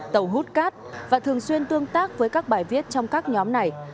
tàu hút cát và thường xuyên tương tác với các bài viết trong các nhóm này